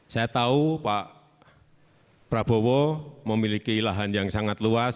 saya tahu pak prabowo memiliki lahan yang sangat luas